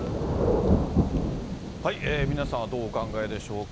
皆さんはどうお考えでしょうか。